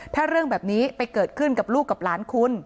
ถ้าเรื่องแบบนี้ไปเกิดขึ้นกับลูกกับหลานคุณ